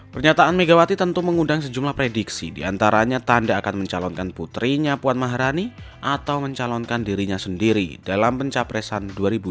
pernyataan megawati tentu mengundang sejumlah prediksi diantaranya tanda akan mencalonkan putrinya puan maharani atau mencalonkan dirinya sendiri dalam pencapresan dua ribu dua puluh